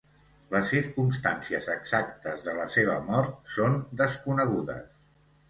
Les circumstàncies exactes de la seva mort són desconegudes.